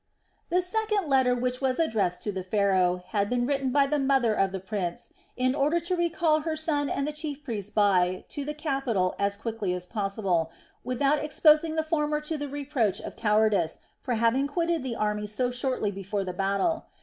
The second letter which was addressed to the Pharaoh, had been written by the mother of the prince in order to recall her son and the chief priest Bai to the capital as quickly as possible, without exposing the former to the reproach of cowardice for having quitted the army so shortly before the battle.